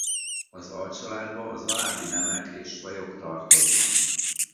Az alcsaládba az alábbi nemek és fajok tartoznak.